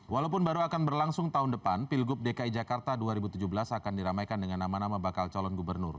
walaupun baru akan berlangsung tahun depan pilgub dki jakarta dua ribu tujuh belas akan diramaikan dengan nama nama bakal calon gubernur